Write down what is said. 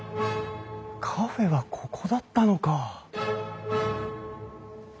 カフェはここだったのか。